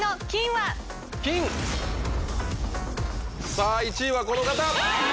さぁ１位はこの方。